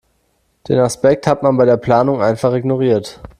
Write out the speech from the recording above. Den Aspekt hat man bei der Planung einfach ignoriert.